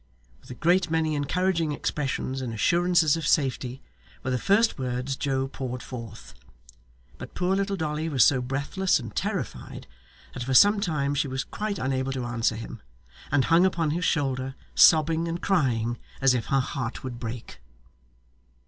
with a great many encouraging expressions and assurances of safety, were the first words Joe poured forth. But poor little Dolly was so breathless and terrified that for some time she was quite unable to answer him, and hung upon his shoulder, sobbing and crying as if her heart would break.